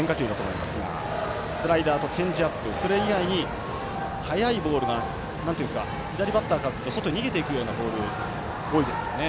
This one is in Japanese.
スライダーとチェンジアップそれ以外に速いボール左バッターからすると外に逃げていくようなボールが多いですよね。